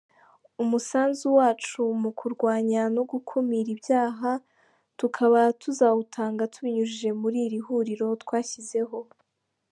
Umusanzu wacu mu kurwanya no gukumira ibyah tukaba tuzawutanga tubinyujije muri iri huriro twashizeho."